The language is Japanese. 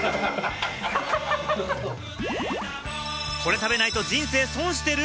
これ食べないと人生損してる？